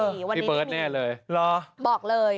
จะเปิดแน่เลยบอกเลย